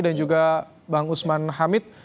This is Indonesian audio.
dan juga bang usman hamid